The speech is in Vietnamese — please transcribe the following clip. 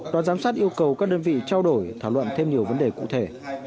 đoàn giám sát yêu cầu các đơn vị trao đổi thảo luận thêm nhiều vấn đề cụ thể